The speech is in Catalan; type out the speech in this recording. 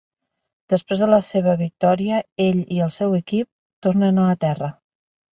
Després de la seva victòria, ell i el seu equip tornen a la Terra.